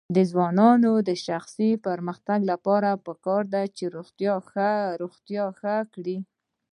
د ځوانانو د شخصي پرمختګ لپاره پکار ده چې روغتیا ښه کړي.